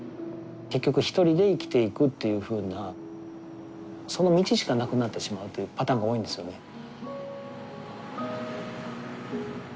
結局一人で生きていくというふうなその道しかなくなってしまうというパターンが多いんですよね。